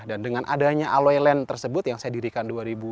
dan dengan adanya aloe land tersebut yang saya dirikan dua ribu delapan belas